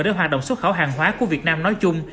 để hoạt động xuất khẩu hàng hóa của việt nam nói chung